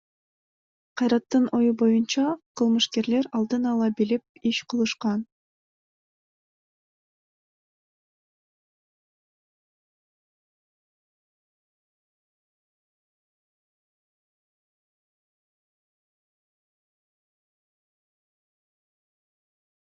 Кайраттын ою боюнча, кылмышкерлер алдын ала билип иш кылышкан.